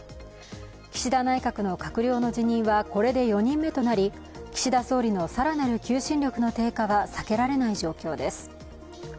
岸田内閣の閣僚の辞任はこれで４人目となり岸田総理の更なる求心力の低下は避けられない状況です。